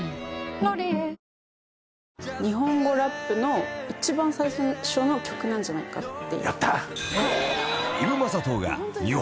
「ロリエ」日本語ラップの一番最初の曲なんじゃないかって。